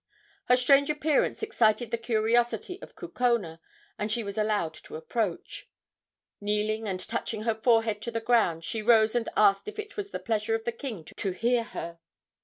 Her strange appearance excited the curiosity of Kukona, and she was allowed to approach. Kneeling and touching her forehead to the ground, she rose and asked if it was the pleasure of the king to hear her.